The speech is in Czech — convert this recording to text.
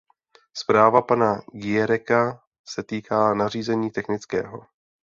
Zpráva pana Giereka se týká nařízení technického.